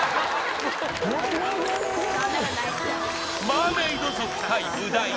マーメイド族対ブダイ